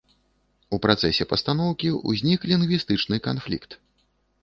У працэсе пастаноўкі ўзнік лінгвістычны канфлікт.